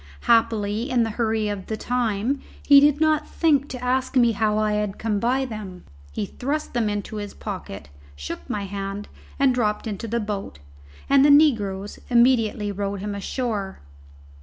Happily, in the hurry of the time, he did not think to ask me how I had come by them. He thrust them into his pocket, shook my hand and dropped into the boat, and the negroes immediately rowed him ashore.